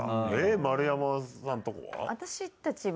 丸山さんのところは？